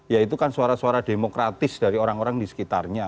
ya itu kan suara suara demokratis dari orang orang di sekitarnya